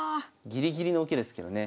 ギリギリの受けですけどね。